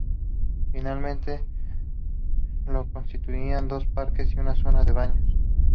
Finalmente lo constituían dos parques y una zona de baños.